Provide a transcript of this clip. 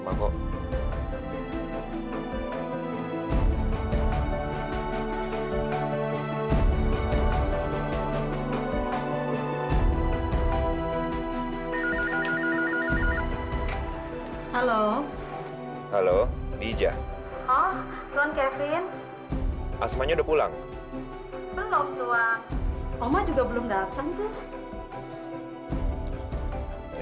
halo halo halo bija oh kevin asmanya udah pulang belum tua oma juga belum datang